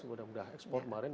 sudah sudah ekspor kemarin